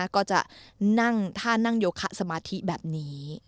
ก็จะถ้านั่งโยคะสมาธิแบบนี้